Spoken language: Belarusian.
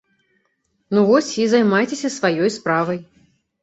Ну вось і займайцеся сваёй справай.